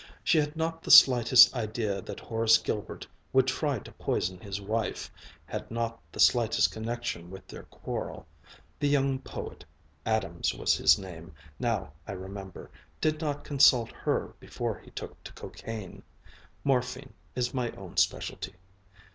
She had not the slightest idea that Horace Gilbert would try to poison his wife, had not the slightest connection with their quarrel. The young poet, Adams was his name, now I remember did not consult her before he took to cocaine. Morphine is my own specialty.